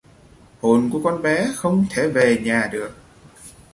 Hồn của con bé không thể về nhà được